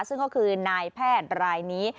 ซึ่งก็คือนายแพทย์รายนี้